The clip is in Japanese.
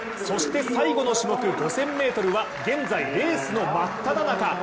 そして最後の種目、５０００ｍは現在レースの真っただ中。